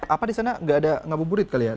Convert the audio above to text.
apa di sana nggak ada ngabuburit kali ya